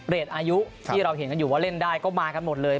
อายุที่เราเห็นกันอยู่ว่าเล่นได้ก็มากันหมดเลย